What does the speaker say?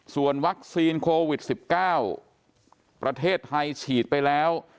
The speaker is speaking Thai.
ส่วนวัคซีนโควิด๑๙ประเทศไทยฉีดไปแล้ว